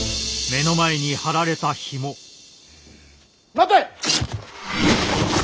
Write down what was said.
待て！